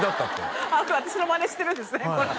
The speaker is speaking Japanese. これ私のマネしてるんですね